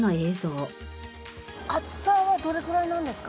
厚さはどれくらいなんですか？